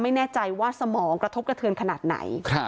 ไม่แน่ใจว่าสมองกระทบกระเทือนขนาดไหน